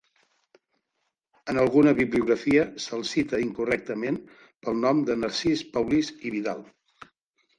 En alguna bibliografia se'l cita incorrectament pel nom de Narcís Paulís i Vidal.